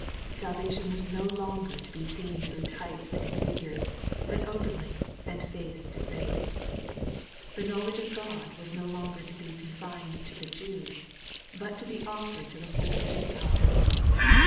Salvation was no longer to be seen through types and figures, but openly, and face to face. The knowledge of God was no longer to be confined to the Jews, but to be offered to the whole Gentile world.